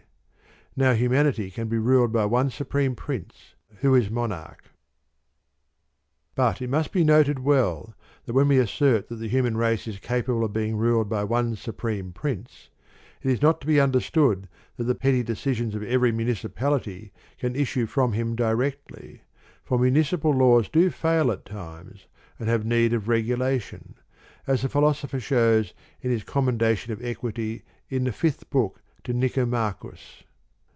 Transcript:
Now humanity can be ruled by one supreme Prince who is Monarch. 2. But it must be noted well that when we assert that the human race is capable of being ruled by one supreme Prince, it is not to be understood that the petty decisions of every municipality can issue from him directly, for municipal laws do fail at times and have need of regulation, as the Philosopher shows in his com mendation of equity ' in the fifth book to Ni comachus.